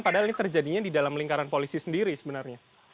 padahal ini terjadinya di dalam lingkaran polisi sendiri sebenarnya